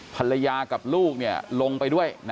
ภรรยากับลูกลงไปด้วย